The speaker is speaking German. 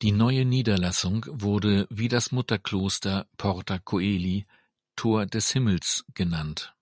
Die neue Niederlassung wurde wie das Mutterkloster "Porta Coeli" („Tor des Himmels“) genannt.